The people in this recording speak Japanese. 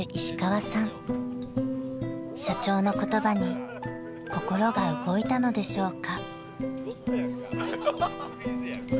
［社長の言葉に心が動いたのでしょうか］